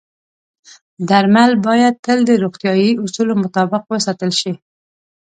درمل باید تل د روغتیايي اصولو مطابق وساتل شي.